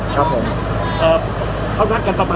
จะได้เข้าใจตรงกันครับฮะครับ